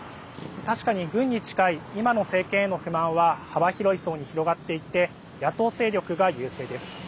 確かに、軍に近い今の政権への不満は幅広い層に広がっていて野党勢力が優勢です。